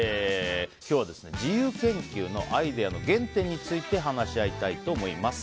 今日は自由研究のアイデアの原点について話し合いたいと思います。